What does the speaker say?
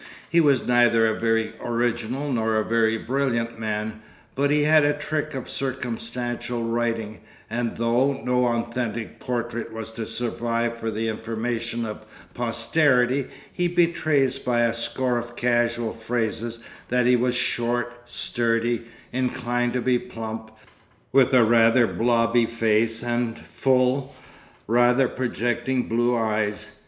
He was neither a very original nor a very brilliant man, but he had a trick of circumstantial writing; and though no authentic portrait was to survive for the information of posterity, he betrays by a score of casual phrases that he was short, sturdy, inclined to be plump, with a 'rather blobby' face, and full, rather projecting blue eyes.